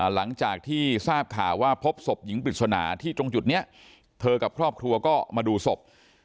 หลังจากที่ทราบข่าวว่าพบศพหญิงปริศนาที่ตรงจุดนี้เธอกับครอบครัวก็มาดูศพ